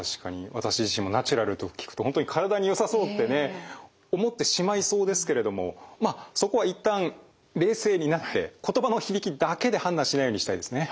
私自身もナチュラルと聞くと本当に体によさそうってね思ってしまいそうですけれどもまあそこは一旦冷静になって言葉の響きだけで判断しないようにしたいですね。